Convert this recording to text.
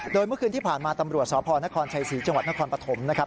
โดยเมื่อคืนที่ผ่านมาตำรวจสพนครชัยศรีจังหวัดนครปฐมนะครับ